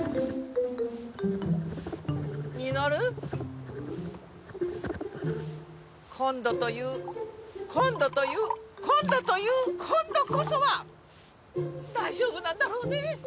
稔今度という今度という今度という今度こそは大丈夫なんだろうね！？